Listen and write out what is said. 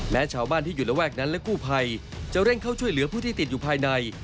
ชาวบ้านที่อยู่ระแวกนั้นและกู้ภัยจะเร่งเข้าช่วยเหลือผู้ที่ติดอยู่ภายใน